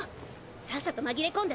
さっさと紛れ込んだ